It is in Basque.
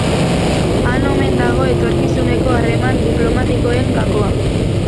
Han omen dago etorkizuneko harreman diplomatikoen gakoa.